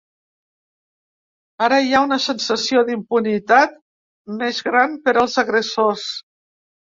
Ara hi ha una sensació d’impunitat més gran per als agressors.